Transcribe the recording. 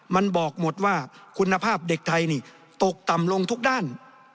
มันบอกหมดว่าคุณภาพเด็กไทยนี่ตกต่ำลงทุกด้าน